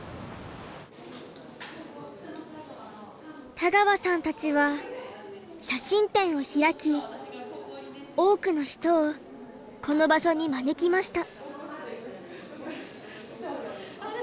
田川さんたちは写真展を開き多くの人をこの場所に招きました。